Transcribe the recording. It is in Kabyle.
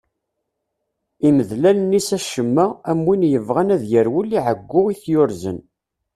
Imdel allen-is acemma, am win yebɣan ad yerwel i ɛeggu i t-yurzen.